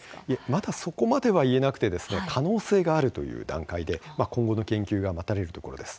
まだそこまでは言えなくて可能性があるという段階で今後の研究が待たれるところです。